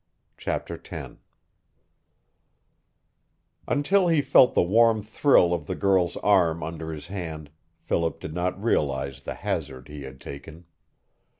CHAPTER X Until he felt the warm thrill of the girl's arm under his hand Philip did not realize the hazard he had taken.